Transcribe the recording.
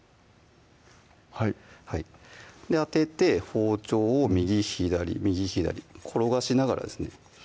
はい当てて包丁を右・左右・左転がしながらですね